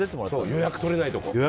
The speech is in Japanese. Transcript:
予約取れないところ。